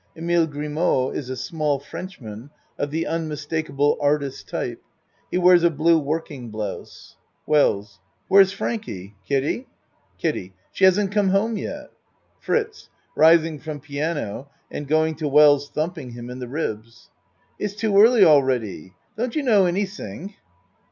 Emile Grimeaux is a small Frenchman of the unmistakable artist type. He wears a blue working blouse.) WELLS Where's Frankie? Kiddie? KIDDIE She hasn't come home yet. FRITZ (Rising from piano and going to Wells thumping him in the ribs.) It's too early all ready. Don't you know anything?